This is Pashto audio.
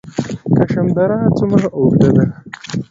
کشم دره څومره اوږده ده؟